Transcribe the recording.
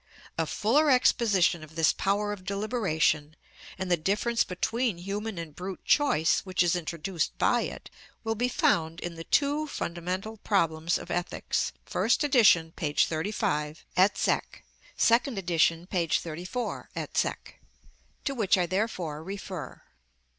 A fuller exposition of this power of deliberation, and the difference between human and brute choice which is introduced by it, will be found in the "Two Fundamental Problems of Ethics" (1st edition, p. 35, et seq.; 2d edition, p. 34, et seq.), to which I therefore refer.